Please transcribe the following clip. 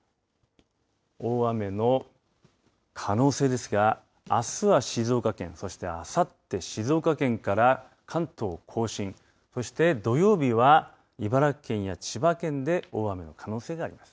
大雨の可能性ですがあすは静岡県そして、あさって静岡県から関東甲信そして土曜日は茨城県や千葉県で大雨の可能性があります。